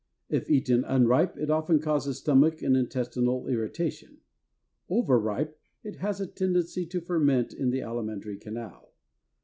If eaten unripe, it often causes stomach and intestinal irritation; overripe, it has a tendency to ferment in the alimentary canal.